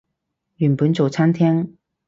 原本做餐廳